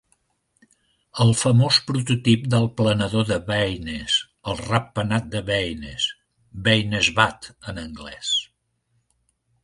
El famós prototip del planador de Baynes, el Ratpenat de Baynes ("Baynes Bat", en anglès).